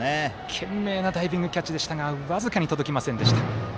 懸命なダイビングキャッチでしたが僅かに届きませんでした。